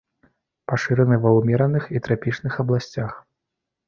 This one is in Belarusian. Пашыраны ва ўмераных і трапічных абласцях.